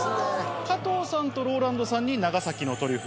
加藤さんとＲＯＬＡＮＤさんに長崎のトリュフ。